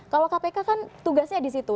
kalau kpk kan tugasnya di situ